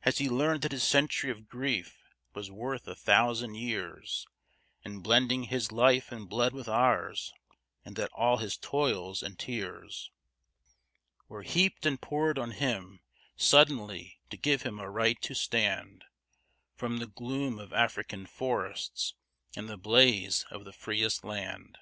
Has he learned that his century of grief was worth a thousand years In blending his life and blood with ours, and that all his toils and tears Were heaped and poured on him suddenly, to give him a right to stand From the gloom of African forests, in the blaze of the freest land?